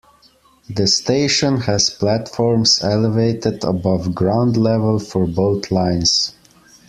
The station has platforms elevated above ground level for both lines.